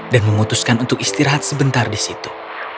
dan memutuskan untuk istirahat sebentar di situ